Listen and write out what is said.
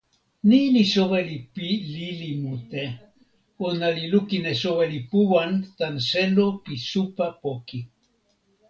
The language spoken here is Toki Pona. ni li soweli pi lili mute. ona li lukin e soweli Puwan tan selo pi supa poki.